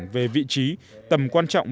về vị trí tầm quan trọng